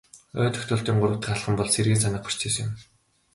Ой тогтоолтын гурав дахь алхам бол сэргээн санах процесс юм.